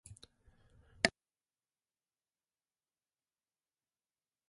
コーヒーの香りが部屋に広がる